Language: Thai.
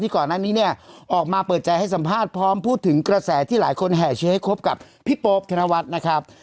ก่อนหน้านี้เนี่ยออกมาเปิดใจให้สัมภาษณ์พร้อมพูดถึงกระแสที่หลายคนแห่เชื้อให้คบกับพี่โป๊ปธนวัฒน์นะครับ